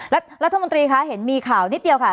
รัฐมนตรีคะเห็นมีข่าวนิดเดียวค่ะ